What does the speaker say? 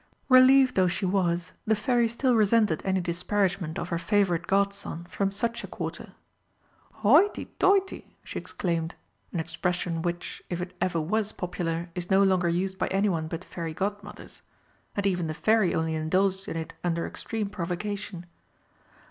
Relieved though she was, the Fairy still resented any disparagement of her favourite godson from such a quarter. "Hoity toity!" she exclaimed an expression which, if it ever was popular, is no longer used by anyone but Fairy Godmothers and even the Fairy only indulged in it under extreme provocation.